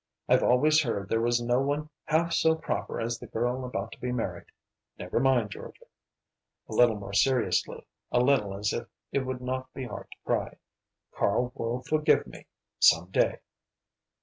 I've always heard there was no one half so proper as the girl about to be married. Never mind, Georgia," a little more seriously, a little as if it would not be hard to cry "Karl will forgive me some day."